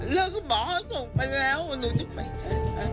แล้วก็บอกเขาส่งไปแล้วหนูจะไปไหนนะคะ